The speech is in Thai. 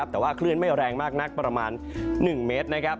แต่ว่าคลื่นไม่แรงมากนักประมาณ๑เมตรนะครับ